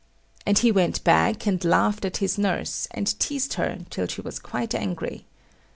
And he went back and laughed at his nurse, and teased her till she was quite angry.